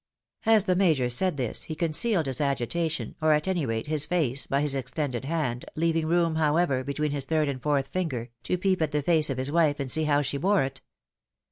" As the Major said this, he concealed his agitation, or at any rate, his face, by his extended hand, leaving room, however, between his third and fourth finger, to peep at the face of his wife, and see how she bore it.